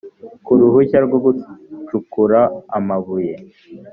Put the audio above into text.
ku ruhushya rwo gucukura amabuye